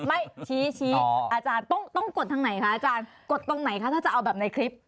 ไม่ชี้ชี้อาจารย์ต้องกดทางไหนคะอาจารย์กดตรงไหนคะถ้าจะเอาแบบในคลิป